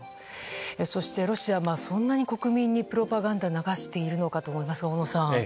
そして、ロシアはそんなに国民にプロパガンダを流しているのかと。